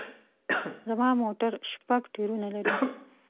زما موټر شپږ ټیرونه لري